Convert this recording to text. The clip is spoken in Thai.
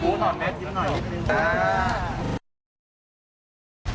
คุณถอดเม็ดอยู่หน่อย